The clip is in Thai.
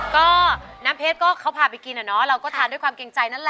ก็น้ำเพชรก็เขาพาไปกินอะเนาะเราก็ทานด้วยความเกรงใจนั่นแหละ